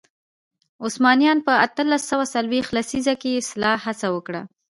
عثمانیانو په اتلس سوه څلوېښت لسیزه کې اصلاح هڅه وکړه.